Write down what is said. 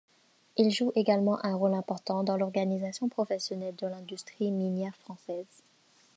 Il joue également un rôle important dans l'organisation professionnelle de l'industrie minière française.